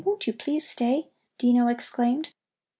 Won't you please stay?" Dino exclaimed.